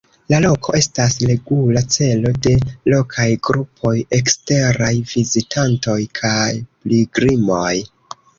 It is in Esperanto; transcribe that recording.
La loko estas regula celo de lokaj grupoj, eksteraj vizitantoj kaj pilgrimoj.